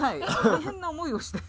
大変な思いをして。